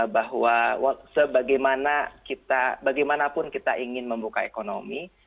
bahwa sebagaimana pun kita ingin membuka ekonomi